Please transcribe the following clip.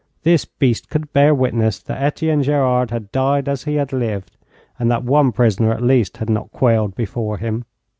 This beast could bear witness that Etienne Gerard had died as he had lived, and that one prisoner at least had not quailed before him.